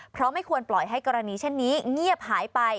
เพราะไม่ควรปล่อยให้กรณีเช่นนี้เงียบหายไป